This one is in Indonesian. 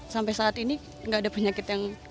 sampai saat ini nggak ada penyakit yang